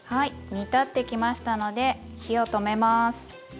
煮立ってきましたので火を止めます。